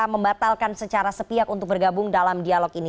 membatalkan secara sepiak untuk bergabung dalam dialog ini